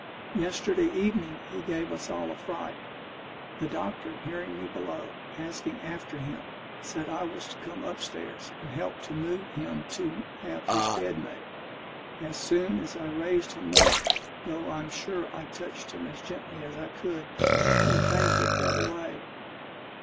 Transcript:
Yesterday evening, he gave us all a fright. The doctor hearing me below, asking after him, said I was to come up stairs and help to move him to have his bed made. As soon as I raised him up (though I'm sure I touched him as gently as I could), he fainted dead away.